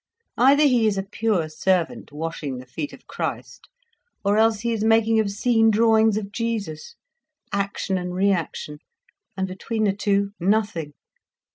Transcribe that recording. Either he is a pure servant, washing the feet of Christ, or else he is making obscene drawings of Jesus—action and reaction—and between the two, nothing.